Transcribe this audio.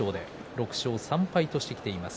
６勝３敗としてきています。